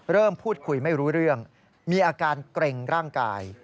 พูดคุยไม่รู้เรื่องมีอาการเกร็งร่างกาย